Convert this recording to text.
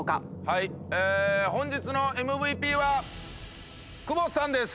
はい本日のＭＶＰは久保田さんです。